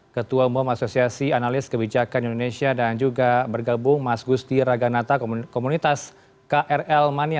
ketua umum asosiasi analis kebijakan indonesia dan juga bergabung mas gusti raganata komunitas krl mania